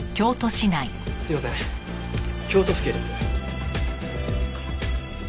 すみません京都府警です。